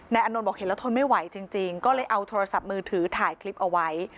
อานนท์บอกเห็นแล้วทนไม่ไหวจริงก็เลยเอาโทรศัพท์มือถือถ่ายคลิปเอาไว้